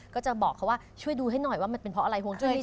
ก็จะบอกเขาว่าช่วยดูให้หน่อยว่ามันเป็นเพราะอะไรห่วงจุ้ย